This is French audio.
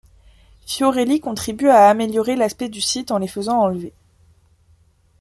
Fiorelli contribue à améliorer l'aspect du site en les faisant enlever.